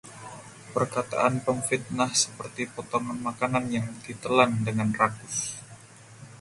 Perkataan pemfitnah seperti potongan makanan yang ditelan dengan rakus;